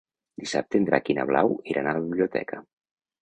Dissabte en Drac i na Blau iran a la biblioteca.